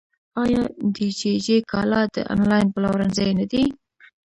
آیا دیجیجی کالا د انلاین پلورنځی نه دی؟